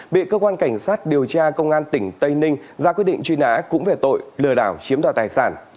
bị cơ quan cảnh sát điều tra công an tỉnh tây ninh ra quyết định truy nã cũng về tội lừa đảo chiếm đoạt tài sản